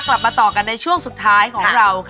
กลับมาต่อกันในช่วงสุดท้ายของเรา